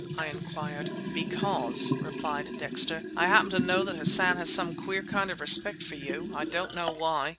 I inquired. "Because," replied Dexter, "I happen to know that Hassan has some queer kind of respect for you—I don't know why."